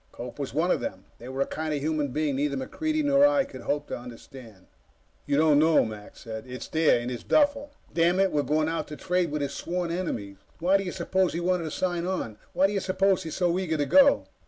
Cope was one of them. They were a kind of human being neither MacReidie nor I could hope to understand. "You don't know," Mac said. "It's there. In his duffel. Damn it, we're going out to trade with his sworn enemies! Why do you suppose he wanted to sign on? Why do you suppose he's so eager to go!"